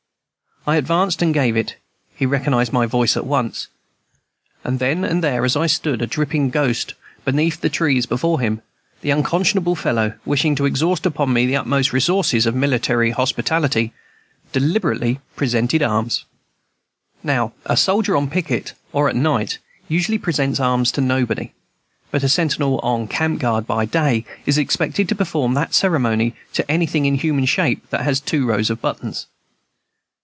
I advanced and gave it, he recognized my voice at once. | And then and there, as I stood, a dripping ghost, beneath the f trees before him, the unconscionable fellow, wishing to exhaust upon me the utmost resources of military hospitality, deliberately presented arms! Now a soldier on picket, or at night, usually presents arms to nobody; but a sentinel on camp guard by day is expected to perform that ceremony to anything in human shape that has two rows of buttons.